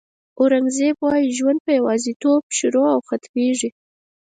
اورنګزېب وایي ژوند په یوازېتوب شروع او ختمېږي.